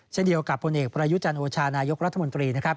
เช่นเดียวกับบนเอกประยุจรรย์โอชานายกรัฐมนตรี